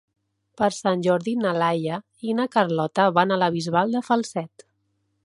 Per Sant Jordi na Laia i na Carlota van a la Bisbal de Falset.